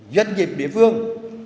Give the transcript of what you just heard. doanh nghiệp địa phương